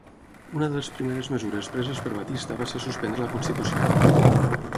Una de les primeres mesures preses per Batista va ser suspendre la constitució.